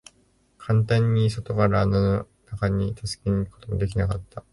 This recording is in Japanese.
簡単に外から穴の中に助けに行くことも出来なかった。